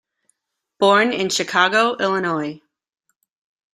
Born in Chicago, Illinois.